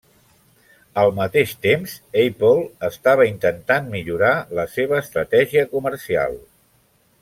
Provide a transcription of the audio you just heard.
Al mateix temps, Apple estava intentant millorar la seva estratègia comercial.